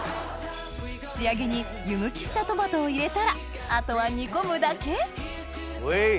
仕上げに湯むきしたトマトを入れたらあとは煮込むだけウェイ！